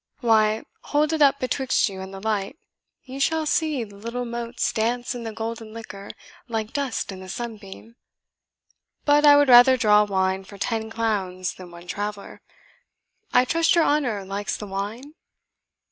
Why, hold it up betwixt you and the light, you shall see the little motes dance in the golden liquor like dust in the sunbeam. But I would rather draw wine for ten clowns than one traveller. I trust your honour likes the wine?"